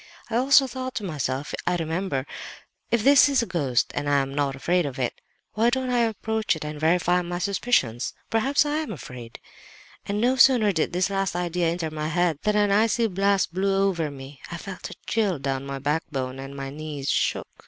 I also thought to myself, I remember—'if this is a ghost, and I am not afraid of it, why don't I approach it and verify my suspicions? Perhaps I am afraid—' And no sooner did this last idea enter my head than an icy blast blew over me; I felt a chill down my backbone and my knees shook.